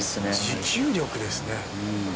持久力ですね。